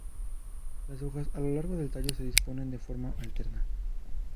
Las hojas a lo largo del tallo se disponen de forma alterna.